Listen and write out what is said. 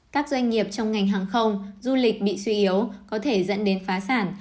các doanh nghiệp trong ngành hàng không du lịch bị suy yếu có thể dẫn đến phá sản